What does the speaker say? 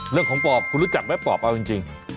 เรื่องของปอบคุณรู้จักแว็บปอบเป็นจริง